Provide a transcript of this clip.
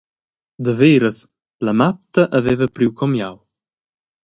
Daveras, la matta haveva priu comiau.